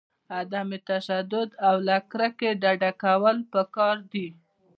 عدم تشدد او له کرکې ډډه کول پکار دي.